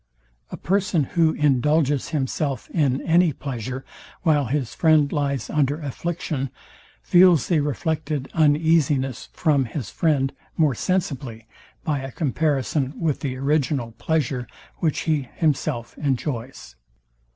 A person, who indulges himself in any pleasure, while his friend lies under affliction, feels the reflected uneasiness from his friend more sensibly by a comparison with the original pleasure, which he himself enjoys.